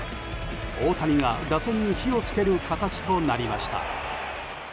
大谷が打線に火を付ける形となりました。